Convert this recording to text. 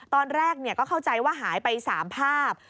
ตอนแรกก็เข้าใจว่าหายไป๓ภาพ